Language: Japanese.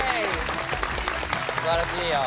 すばらしいよ。